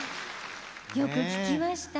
よく聴きました。